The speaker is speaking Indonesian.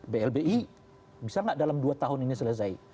blbi bisa nggak dalam dua tahun ini selesai